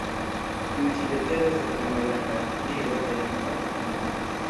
Tiu ĉi letero estas tre malgranda "libro" de la nova testamento.